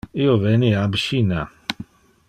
Io veni ab China.